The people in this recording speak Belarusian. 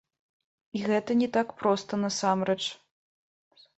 І гэта не так проста насамрэч.